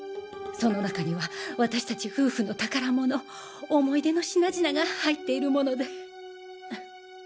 その中には私たち夫婦の宝物思い出の品々が入っているもので。